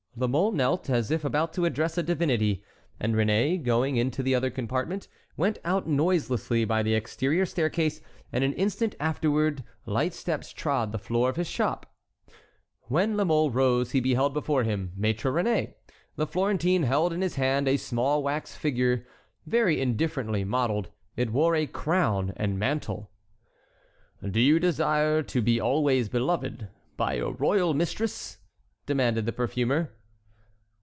La Mole knelt, as if about to address a divinity; and Réné, going into the other compartment, went out noiselessly by the exterior staircase, and an instant afterward light steps trod the floor of his shop. When La Mole rose he beheld before him Maître Réné. The Florentine held in his hand a small wax figure, very indifferently modelled; it wore a crown and mantle. "Do you desire to be always beloved by your royal mistress?" demanded the perfumer.